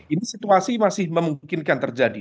ini situasi masih memungkinkan terjadi